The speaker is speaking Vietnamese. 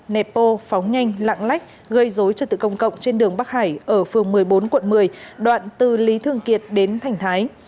nepo phóng nhanh lãng lách gây dối trợ tự công cộng trên đường bắc hải ở phường một mươi bốn quận một mươi đoạn từ lý thương kiệt đến thành thái